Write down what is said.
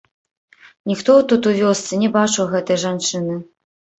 Ніхто тут у вёсцы не бачыў гэтай жанчыны.